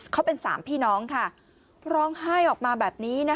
เขาเป็นสามพี่น้องค่ะร้องไห้ออกมาแบบนี้